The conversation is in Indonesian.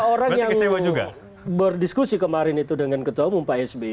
orang yang berdiskusi kemarin itu dengan ketua umum pak sby